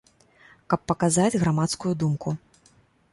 Каб паказаць грамадскую думку.